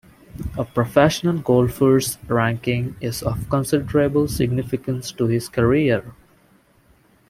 A professional golfer's ranking is of considerable significance to his career.